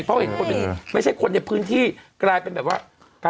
เพราะเห็นคนเป็นไม่ใช่คนในพื้นที่กลายเป็นแบบว่า